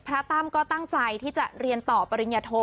ตั้มก็ตั้งใจที่จะเรียนต่อปริญญาโท